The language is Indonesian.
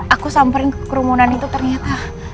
aku samperin kerumunan itu ternyata